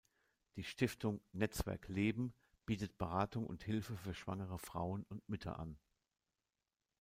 Die Stiftung "netzwerk leben" bietet Beratung und Hilfe für schwangere Frauen und Mütter an.